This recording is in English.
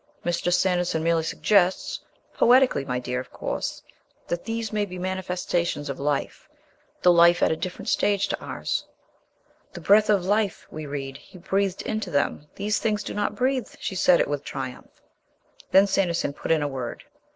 Mr. Sanderson merely suggests poetically, my dear, of course that these may be manifestations of life, though life at a different stage to ours." "The '_ breath_ of life,' we read, 'He breathed into them. These things do not breathe." She said it with triumph. Then Sanderson put in a word.